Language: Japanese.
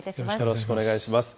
よろしくお願いします。